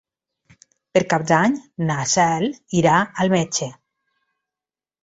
Per Cap d'Any na Cel irà al metge.